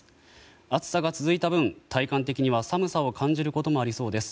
暑さが続いた分体感的には寒さを感じることもありそうです。